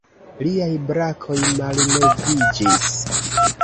Liaj brakoj malleviĝis.